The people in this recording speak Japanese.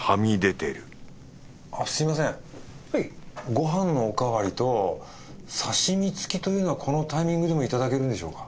ご飯のおかわりと刺身付きというのはこのタイミングでもいただけるのでしょうか？